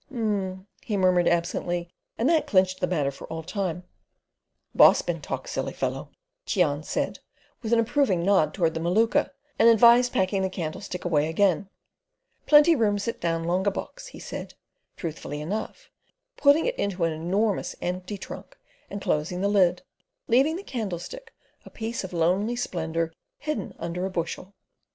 "Um," he murmured absently, and that clinched the matter for all time. "Boss bin talk silly fellow" Cheon said, with an approving nod toward the Maluka, and advised packing the candlestick away again. "Plenty room sit down longa box," he said, truthfully enough, putting it into an enormous empty trunk and closing the lid, leaving the candlestick a piece of lonely splendour hidden under a bushel.